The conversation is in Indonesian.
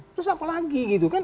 terus apa lagi gitu kan